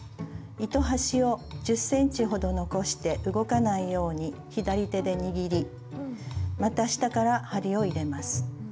糸端を１０ｃｍほど残して動かないように左手で握りまた下から針を入れます。